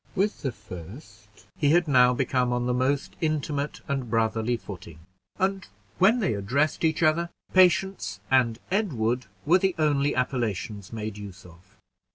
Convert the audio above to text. With the first he had now become on the most intimate and brotherly footing; and when they addressed each other, Patience and Edward were the only appellations made use of.